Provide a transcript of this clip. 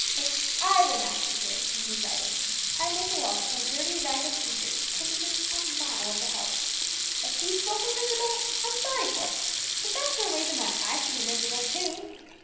If I were master here," continued Vibert, "I'd make a law that no dirty, ragged creature should come within a mile of the house. If these folk are miserable, I'm sorry for it; but that's no reason why I should be miserable too.